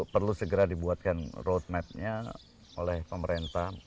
perlu segera dibuatkan road map nya oleh pemerintah